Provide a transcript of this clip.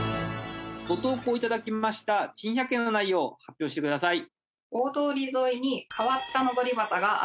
ご投稿頂きました珍百景の内容発表してください。